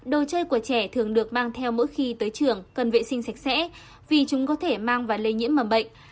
đồ chơi của trẻ thường được mang theo mỗi khi tới trường cần vệ sinh sạch sẽ vì chúng có thể mang và lây nhiễm mầm bệnh